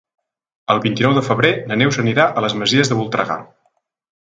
El vint-i-nou de febrer na Neus anirà a les Masies de Voltregà.